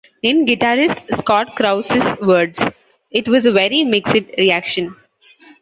In guitarist Scott Crouse's words: It was a very mixed reaction.